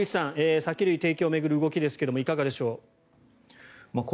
酒類提供を巡る動きですがいかがでしょう。